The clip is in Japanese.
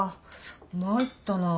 参ったなぁ。